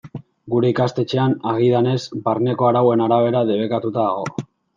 Gure ikastetxean, agidanez, barneko arauen arabera debekatuta dago.